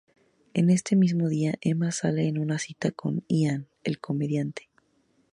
En este mismo día Emma sale en una cita con Ian, el comediante.